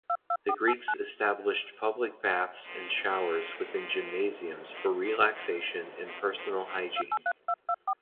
The Greeks established public baths and showers within gymnasiums for relaxation and personal hygiene.